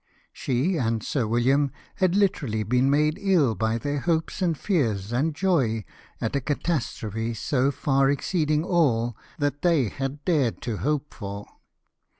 She and Sir AVilliam had literally been made ill by their hopes and fears and joy at a catastrophe so far exceeding all that they had dared to hope for.